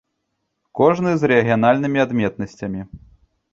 Кожны з рэгіянальнымі адметнасцямі.